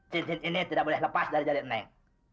cincin ini tidak boleh lepas dari neng